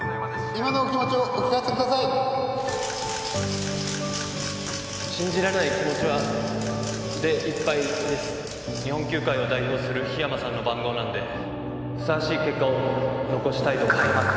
今のお気持ちをお聞かせくだ信じられない気持ちはでいっぱいです日本球界を代表する桧山さんの番号なんでふさわしい結果を残したいと思っています